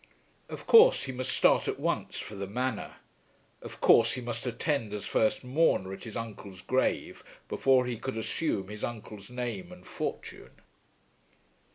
Of course he must start at once for the Manor. Of course he must attend as first mourner at his uncle's grave before he could assume his uncle's name and fortune.